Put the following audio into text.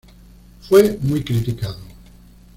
Fue muy criticado.